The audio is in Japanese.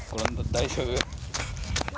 大丈夫？